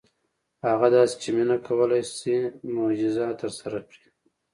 هغه داسې چې مينه کولی شي معجزه ترسره کړي.